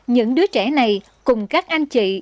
những đứa trẻ này cùng các anh chị